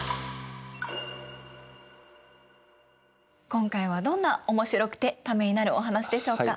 今回はどんなおもしろくてためになるお話でしょうか？